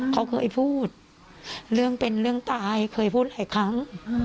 เขาเคยพูดเรื่องเป็นเรื่องตายเคยพูดหลายครั้ง